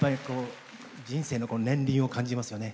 人生の年輪を感じますよね。